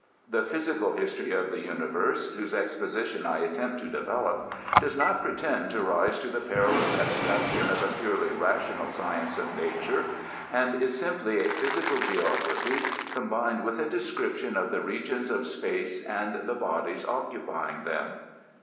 The physical history of the universe, whose exposition I attempt to develop, does not prete^^d to rise to the perilous abstractions of a purely rational science of nature, and is simply a physical geography, ^combined with a description of the regions of space and the bodies occupying them.